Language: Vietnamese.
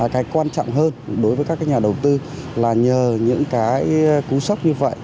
cái quan trọng hơn đối với các nhà đầu tư là nhờ những cái cú sốc như vậy